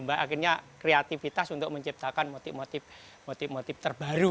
akhirnya kreativitas untuk menciptakan motif motif terbaru